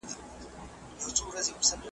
هغه ورځ خبره ورانه د کاروان سي .